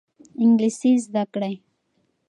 انګلیسي زده کړئ.